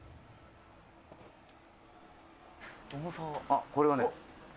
「あっこれはね」